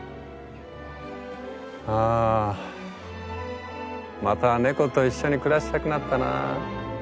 あまた猫と一緒に暮らしたくなったな。